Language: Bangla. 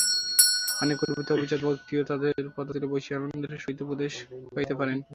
অনেক গর্বিত অভিজাত ব্যক্তিও তাঁহাদের পদতলে বসিয়া আনন্দের সহিত উপদেশ পাইতে পারেন।